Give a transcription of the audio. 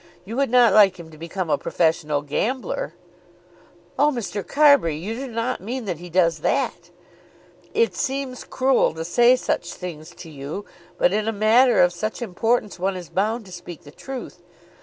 You would not like him to become a professional gambler." "Oh, Mr. Carbury; you do not mean that he does that!" "It seems cruel to say such things to you, but in a matter of such importance one is bound to speak the truth.